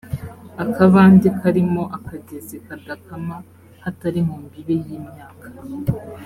akabande karimo akagezi kadakama, hatari mu mbibe y’imyaka.